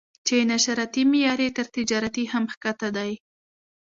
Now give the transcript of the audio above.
چې نشراتي معیار یې تر تجارتي هم ښکته دی.